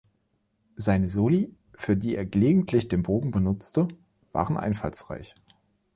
Seine Soli, für die er gelegentlich den Bogen benutzte, waren einfallsreich.